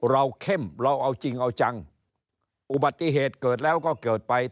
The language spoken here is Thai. เข้มเราเอาจริงเอาจังอุบัติเหตุเกิดแล้วก็เกิดไป